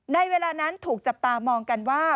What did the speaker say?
ในเวลานั้นถูกจับตามองกันว่า